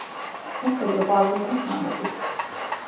ფოთლები ყვავილობის ამოდის.